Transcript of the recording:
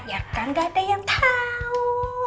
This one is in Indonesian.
ya kan gak ada yang tahu